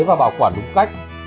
và bảo quản đúng cách